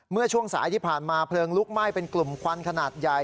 เมื่อช่วงสายที่ผ่านมาเพลิงลุกไหม้เป็นกลุ่มควันขนาดใหญ่